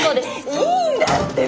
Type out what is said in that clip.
いいんだってば！